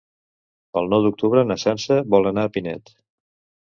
El nou d'octubre na Sança vol anar a Pinet.